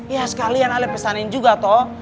ya sekalian alih pesanin juga toh